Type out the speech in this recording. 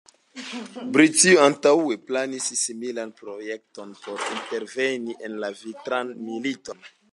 Britio antaŭe planis similan projekton por interveni en la Vintran Militon.